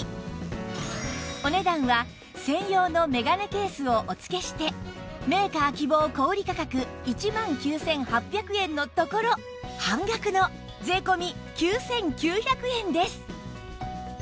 お値段は専用の眼鏡ケースをお付けしてメーカー希望小売価格１万９８００円のところ半額の税込９９００円です